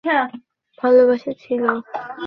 কিছুদিন আগেও তো তোমাদের মাঝে এতো ভালোবাসা ছিল।